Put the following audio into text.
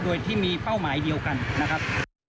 โดยที่มีเป้าหมายเดียวกันนะครับ